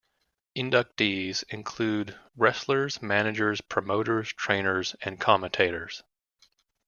Inductees include wrestlers, managers, promoters, trainers, and commentators.